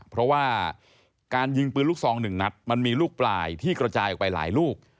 เพราะว่าการยิงปืนลูกซองหนึ่งนัดมันมีลูกปลายที่กระจายออกไปหลายลูก